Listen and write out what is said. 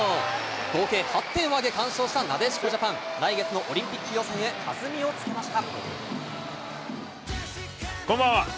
合計８点を挙げ完勝したなでしこジャパン、来月のオリンピック予こんばんは。